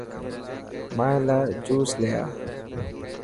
مائي لا جوس لي اي.